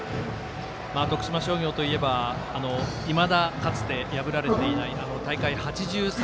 徳島商業といえばいまだかつて破られていない大会８３